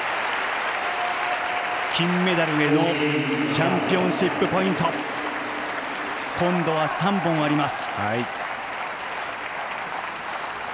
金メダルへのチャンピオンシップポイント今度は３本あります。